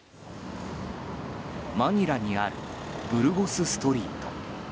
マニラにあるブルゴス・ストリート。